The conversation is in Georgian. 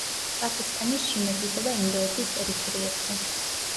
პაკისტანის, ჩინეთისა და ინდოეთის ტერიტორიებზე.